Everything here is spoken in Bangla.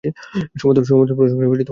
সমস্ত প্রশংসা আল্লাহরই।